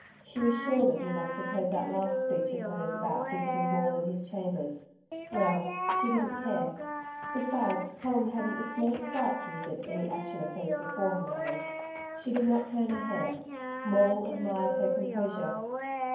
She was sure that he must have heard that last speech of hers about visiting Maule in his chambers. Well, she didn't care. Besides Colin hadn't the smallest right to resent any action of hers before her marriage... She did not turn a hair. Maule admired her composure.